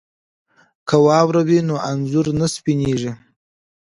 که واوره وي نو انځور نه سپینیږي.